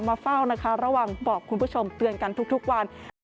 มาเฝ้านะคะระวังบอกคุณผู้ชมเตือนกันทุกวัน